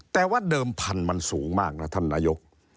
แต่ว่าเดิมพันธุ์มันสูงมากนะท่านนายก